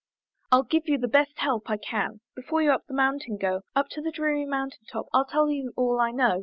I'll give you the best help I can: Before you up the mountain go, Up to the dreary mountain top, I'll tell you all I know.